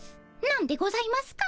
なんでございますか？